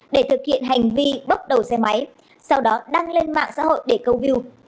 để thực hiện hành vi bốc đầu xe máy sau đó đăng lên mạng xã hội để câu view